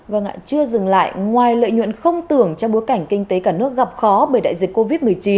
và ngại chưa dừng lại ngoài lợi nhuận không tưởng cho bối cảnh kinh tế cả nước gặp khó bởi đại dịch covid một mươi chín